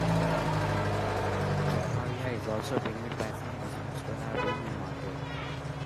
Zechariah is also believed by some Muslims to have been a martyr.